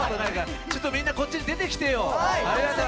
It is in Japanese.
ちょっとみんな、こっちへ出てきてよ。